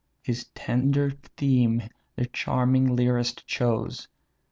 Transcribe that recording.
His tender theme the charming lyrist chose.